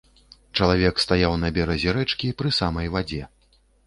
Чалавек стаяў на беразе рэчкі, пры самай вадзе.